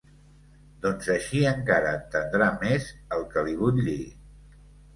Doncs així encara entendrà més el que li vull dir.